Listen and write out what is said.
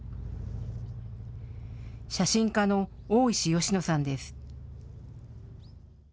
写真家の大石芳野さんです。